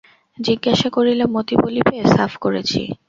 জিজ্ঞাসা করিলে মতি বলিবে, সাফ করেছি।